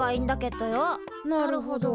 なるほど。